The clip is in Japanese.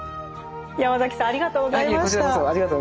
ヤマザキさんありがとうございました。